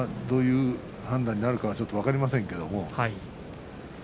どういう判断になるか分かりませんけども。